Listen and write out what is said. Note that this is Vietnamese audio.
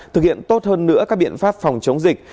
thực hiện tốt hơn nữa các biện pháp phòng chống dịch